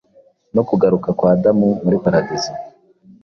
no kugaruka kwa Adamu muri paradizo.